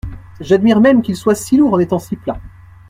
J'admire même qu'il soit si lourd en étant si plat.